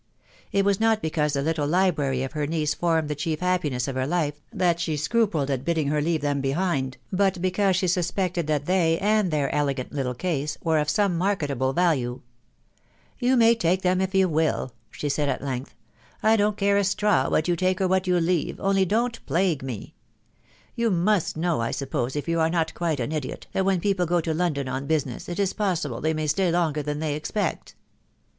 It was not because the little library of her niece formed the chief happiness of her life that she scrupled at bidding her leave them behind, but because she suspected that they, and their elegant little case, were of some marketable value ...." You may take them if you will/' she said at length "I don't care a straw what you take or what you leave .... only don't plague me You must know, I suppose, if you are not quite an idiot, that when people go to London on business, it is possible they may stay longer than they expect."